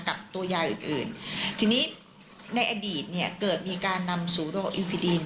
กับตัวยาอื่นทีนี้ในอดีตเกิดมีการนำซูโดอีฟิดีน